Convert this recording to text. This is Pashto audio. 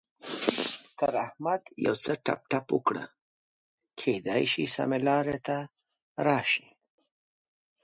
تر احمد يو څه ټپ ټپ وکړه؛ کېدای شي سمې لارې ته راشي.